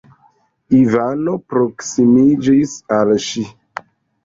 Ivano proksimiĝis al ŝi.